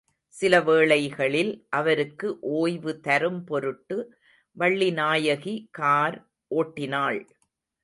சில வேளைகளில் அவருக்கு ஓய்வு தரும் பொருட்டு வள்ளிநாயகி கார் ஓட்டினாள்.